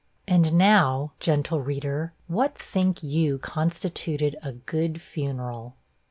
And now, gentle reader, what think you constituted a good funeral?